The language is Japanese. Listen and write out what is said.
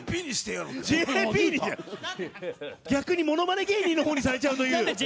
逆に物まね芸人にされちゃうという。